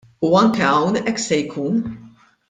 U anke hawn hekk se jkun.